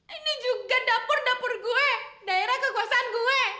ini juga dapur dapur gue daerah kekuasaan gue